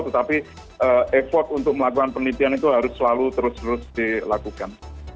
tetapi effort untuk melakukan penelitian itu harus selalu terus terus dilakukan